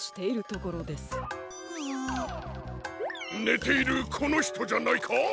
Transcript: ねているこのひとじゃないか？